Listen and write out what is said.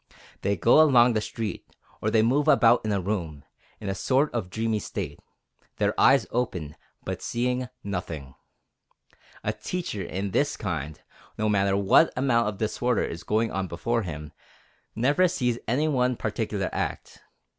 They go along the street, or they move about in a room, in a sort of dreamy state, their eyes open, but seeing nothing. A teacher of this kind, no matter what amount of disorder is going on before him, never sees any one particular act.